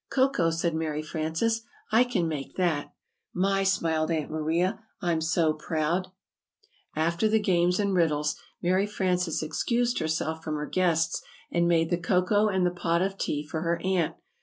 "Cocoa," said Mary Frances; "I can make that." "My," smiled Aunt Maria, "I'm so proud." After the games and riddles, Mary Frances excused herself from her guests, and made the cocoa and the pot of tea for her aunt.